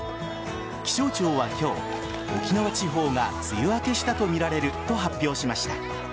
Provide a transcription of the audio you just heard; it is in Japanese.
気象庁は今日、沖縄地方が梅雨明けしたとみられると発表しました。